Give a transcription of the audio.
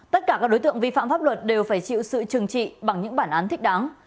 tất cả các đối tượng vi phạm pháp luật đều phải chịu sự trừng trị bằng những bản án thích đáng